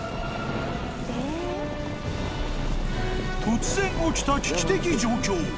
［突然起きた危機的状況］